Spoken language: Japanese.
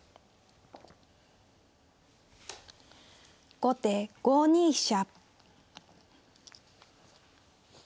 後手５二飛車。